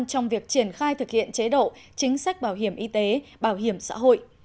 trong việc triển khai thực hiện chế độ chính sách bảo hiểm y tế bảo hiểm xã hội